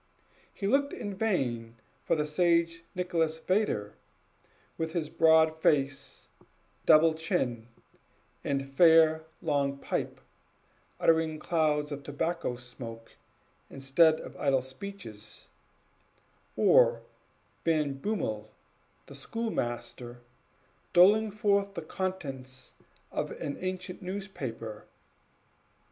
He looked in vain for the sage Nicholas Vedder, with his broad face, double chin, and fair long pipe, uttering clouds of tobacco smoke instead of idle speeches; or Van Bummel, the schoolmaster, doling forth the contents of an ancient newspaper.